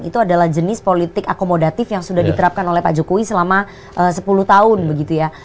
itu adalah jenis politik akomodatif yang sudah diterapkan oleh pak jokowi selama sepuluh tahun begitu ya